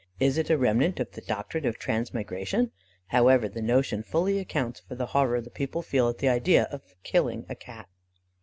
Is it a remnant of the doctrine of transmigration? However, the notion fully accounts for the horror the people feel at the idea of killing a Cat."